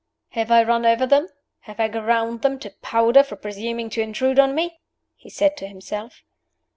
"Have I run over them? Have I ground them to powder for presuming to intrude on me?" he said to himself.